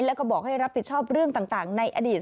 แล้วก็บอกให้รับผิดชอบเรื่องต่างในอดีต